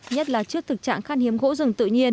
nhất là trước thực trạng khăn hiếm gỗ rừng tự nhiên